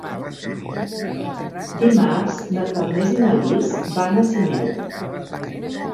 Dimarts na Farners i na Lis van a Sineu.